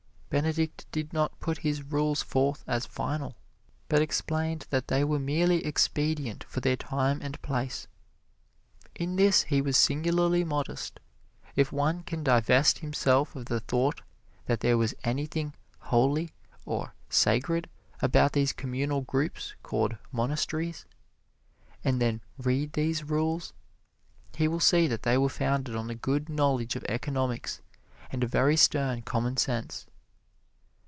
Benedict did not put his rules forth as final, but explained that they were merely expedient for their time and place. In this he was singularly modest. If one can divest himself of the thought that there was anything "holy" or "sacred" about these communal groups called "monasteries," and then read these rules, he will see that they were founded on a good knowledge of economics and a very stern commonsense.